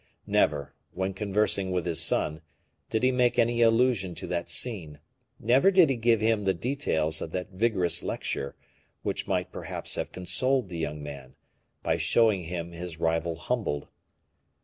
Never, when conversing with his son, did he make any allusion to that scene; never did he give him the details of that vigorous lecture, which might, perhaps, have consoled the young man, by showing him his rival humbled.